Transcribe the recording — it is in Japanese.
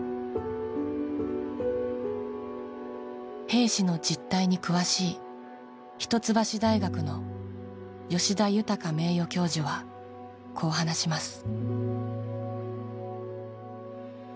兵士の実態に詳しい一橋大学の吉田裕名誉教授はこう話します。